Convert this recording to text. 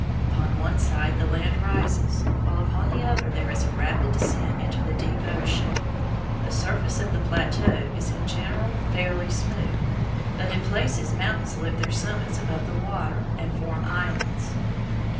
Upon one side the land rises, while upon the other there is a rapid descent into the deep Pacific. The surface of the plateau is in general fairly smooth, but in places mountains lift their summits above the water and form islands.